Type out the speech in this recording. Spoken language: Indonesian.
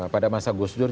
pada masa gus dur